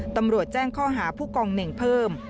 ตำรวจแจ้งข้อหาผู้กองเน่งเพิ่ม